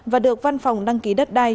và được văn phòng đăng ký đất đai